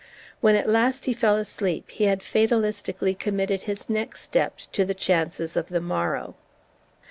When at last he fell asleep he had fatalistically committed his next step to the chances of the morrow.